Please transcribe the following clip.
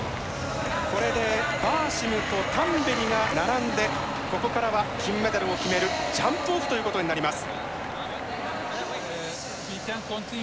これでバーシムとタンベリが並んでここからは金メダルを決めるジャンプオフということになります。